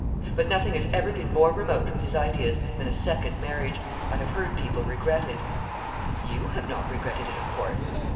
"But nothing has ever been more remote from his ideas than a second marriage. I have heard people regret it." "You have not regretted it, of course."